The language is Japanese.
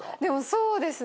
そうですね。